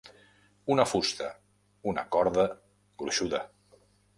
Una fusta, una corda, gruixuda.